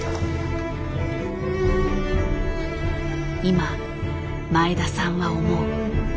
今前田さんは思う。